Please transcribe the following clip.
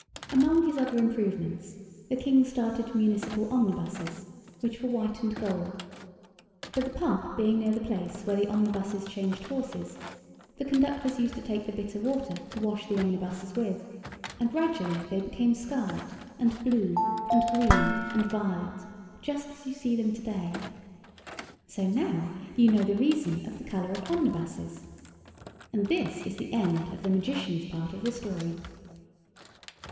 Among his other improvements, the King started municipal omnibuses, which were white and gold. But the pump being near the place where the omnibuses changed horses the conductors used to take the bitter water to wash the omnibuses with, and gradually they became scarlet and blue and green and violet, just as you see them to day. So now you know the reason of the colour of omnibuses. And this is the end of the Magician's part of the story.